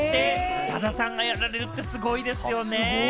宇多田さんがやられるってすごいですよね。